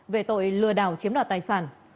về tội lừa đảo chiếm đoạt tài sản